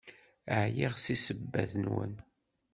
Ɛyiɣ seg ssebbat-nwen!